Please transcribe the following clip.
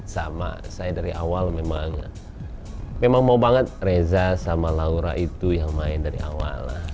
sama saya dari awal memang mau banget reza sama laura itu yang main dari awal lah